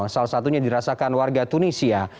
salah satunya dirasakan warga tunisia